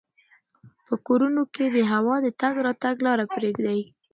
په کورونو کې د هوا د تګ راتګ لاره پریږدئ.